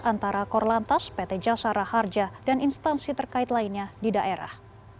antara korlantas pt jasara harja dan instansi terkait lainnya di daerah